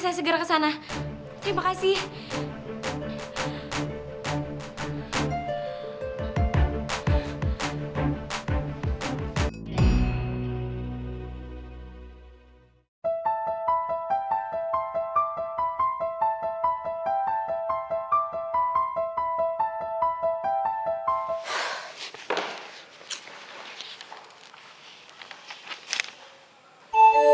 kau tuh kenapa sih